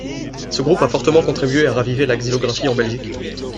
Ce groupe a fortement contribué à raviver la xylographie en Belgique.